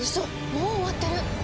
もう終わってる！